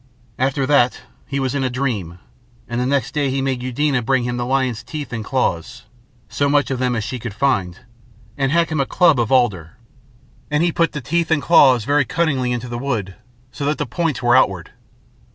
After that it was he had a dream, and the next day he made Eudena bring him the lion's teeth and claws so much of them as she could find and hack him a club of alder. And he put the teeth and claws very cunningly into the wood so that the points were outward.